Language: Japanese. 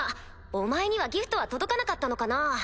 お前にはギフトは届かなかったのかな？